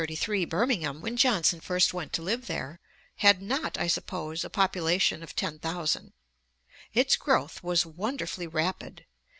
In 1732 or 1733 Birmingham, when Johnson first went to live there, had not, I suppose, a population of 10,000. Its growth was wonderfully rapid.